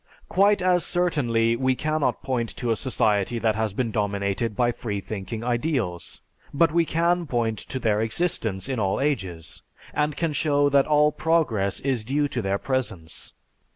Quite as certainly we cannot point to a society that has been dominated by Freethinking ideals, but we can point to their existence in all ages, and can show that all progress is due to their presence.